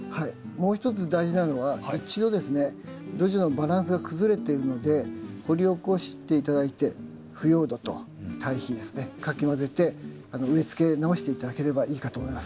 もう一つ大事なのは一度ですね土壌のバランスが崩れてるので掘り起こして頂いて腐葉土と堆肥ですねかき混ぜて植えつけ直して頂ければいいかと思います。